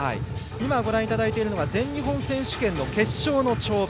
今ご覧いただいているのが全日本選手権の決勝の跳馬。